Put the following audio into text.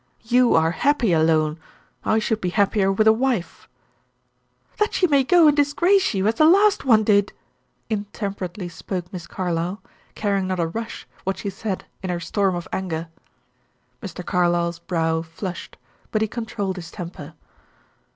You are happy alone; I should be happier with a wife." "That she may go and disgrace you, as the last one did!" intemperately spoke Miss Carlyle, caring not a rush what she said in her storm of anger. Mr. Carlyle's brow flushed, but he controlled his temper.